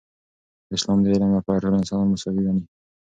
اسلام د علم لپاره ټول انسانان مساوي ګڼي.